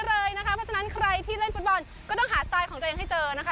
เพราะฉะนั้นใครที่เล่นฟุตบอลก็ต้องหาสไตล์ของตัวเองให้เจอนะคะ